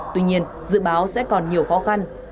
tuy nhiên dự báo sẽ còn nhiều khó khăn